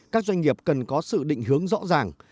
các doanh nghiệp cần có sự định hướng rõ ràng